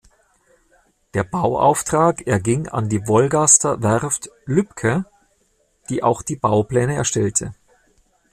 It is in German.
Der Bauauftrag erging an die Wolgaster Werft Lübke, die auch die Baupläne erstellte.